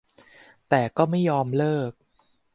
แต่ก็ไม่ยอมเลิก